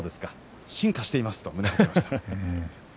進化していますと胸を張りました。